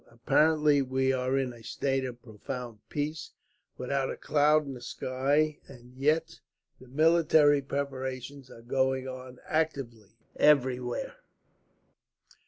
Apparently we are in a state of profound peace, without a cloud in the sky, and yet the military preparations are going on actively, everywhere.